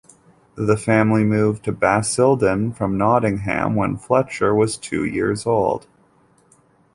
The family moved to Basildon from Nottingham when Fletcher was two years old.